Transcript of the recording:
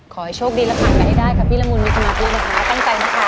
ขอให้โชคดีละค่ะให้ได้กับพี่ละมุนมีสมัครดีนะคะตั้งใจนะคะตั้งใจดูดี